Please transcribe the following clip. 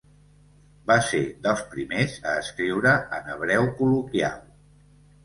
Va ser dels primers a escriure en hebreu col·loquial.